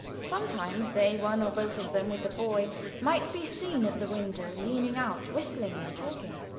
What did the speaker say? Sometimes they one or both of them with the boy might be seen at the window leaning out, whistling or talking.